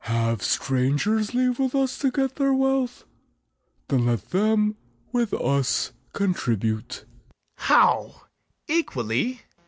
Have strangers leave with us to get their wealth? Then let them with us contribute. BARABAS. How! equally?